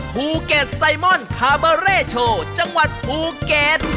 ภูเก็ตไซมอนคาเบอร์เร่โชว์จังหวัดภูเก็ต